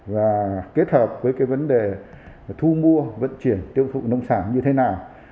và kết hợp với cái vấn đề thu mua vận chuyển tiêu thụ nông sản như thế nào